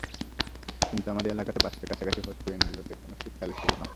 কিন্তু আমাদের এলাকাতে বাসার কাছাকাছি হইকুয়েনগুলোতে কোনো সিট খালি ছিল না।